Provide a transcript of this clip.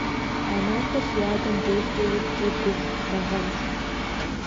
А махуэр си адэм дежкӀэ икъукӀэ гугъу хъуагъэнщ.